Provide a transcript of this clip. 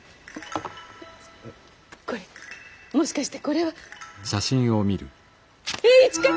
これもしかしてこれは栄一かい？